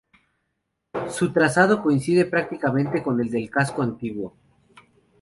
Su trazado coincide prácticamente con el del casco antiguo.